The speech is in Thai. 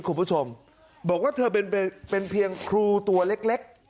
คุณผู้ชมบอกว่าเธอเป็นเพียงครูตัวเล็ก